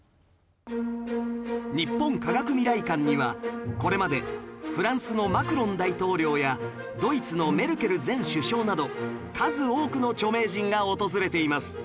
日本科学未来館にはこれまでフランスのマクロン大統領やドイツのメルケル前首相など数多くの著名人が訪れています